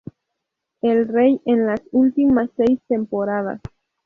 El Rey en las últimas seis temporadas.